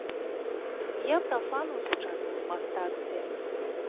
Я прафан у сучасным мастацтве.